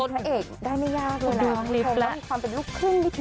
เป็นพระเอกได้ไม่ยากเลยล่ะมีความเป็นลูกครึ่งนิดเนี่ยเนอะ